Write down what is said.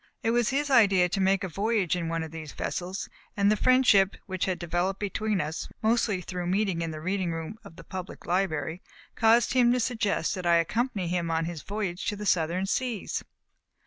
It was his idea to make a voyage in one of these vessels, and the friendship which had developed between us, mostly through meeting in the reading room of the Public Library, caused him to suggest that I accompany him on his voyage to the Southern seas.